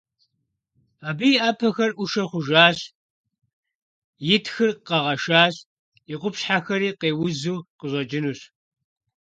Абы и Ӏэпэхэр Ӏушэ хъужащ, и тхыр къэгъэшащ, и къупщхьэхэри къеузу къыщӀэкӀынущ.